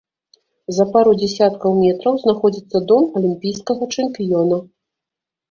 За пару дзясяткаў метраў знаходзіцца дом алімпійскага чэмпіёна.